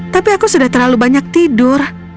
tapi aku sudah terlalu banyak tidur